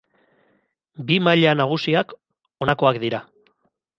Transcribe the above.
Bi maila nagusiak honakoak dira.